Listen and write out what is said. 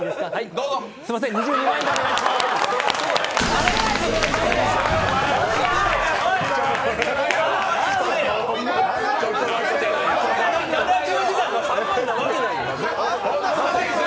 すみません、２２万円でお願いします。